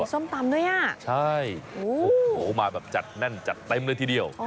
ส้มตำด้วยอ่ะใช่โอ้โหมาแบบจัดแน่นจัดเต็มเลยทีเดียว